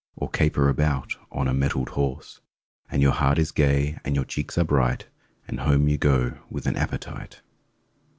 Or caper about on a mettled horse! And your heart is gay and your cheeks are bright— And home you go with an appetite!